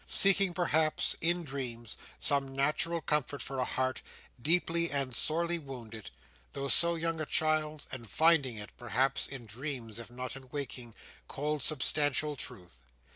Seeking, perhaps—in dreams—some natural comfort for a heart, deeply and sorely wounded, though so young a child's: and finding it, perhaps, in dreams, if not in waking, cold, substantial truth.